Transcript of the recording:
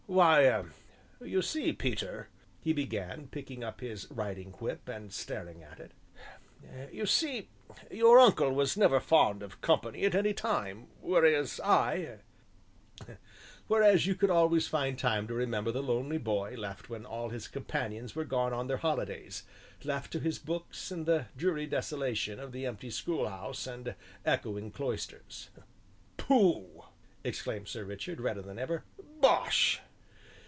"Why ah you see, Peter," he began, picking up his riding whip and staring at it, "you see your uncle was never very fond of company at any time, whereas I " "Whereas you could always find time to remember the lonely boy left when all his companions were gone on their holidays left to his books and the dreary desolation of the empty schoolhouse, and echoing cloisters " "Pooh!" exclaimed Sir Richard, redder than ever. "Bosh!"